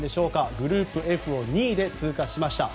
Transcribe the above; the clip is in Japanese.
グループＦを２位で通過しました。